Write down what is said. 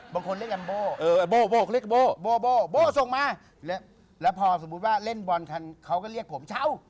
บางคนเรียกว่าโบ้โบ้โบ้ส่งมาแล้วพอสมมุติว่าเล่นบอลเขาก็เรียกผมชาว